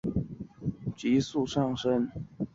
其中的暗礁经常从超过一千米的水深急速上升。